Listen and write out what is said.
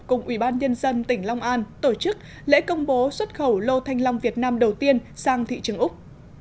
cùng ủy ban nhân dân tỉnh long an tổ chức lễ công bố xuất khẩu lô thanh long việt nam đầu tiên sang thị trường úc